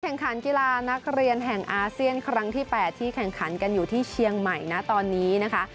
แข่งขันกีฬานักเรียนแห่งอาเซียนครั้งที่๘ที่แข่งขันกันอยู่ที่เชียงใหม่นะตอนนี้นะคะ